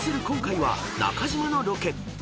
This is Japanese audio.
今回は中島のロケ］